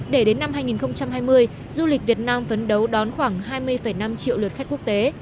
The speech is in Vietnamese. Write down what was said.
để đến năm hai nghìn hai mươi du lịch việt nam phấn đấu đón khoảng hai mươi năm triệu lượt khách quốc tế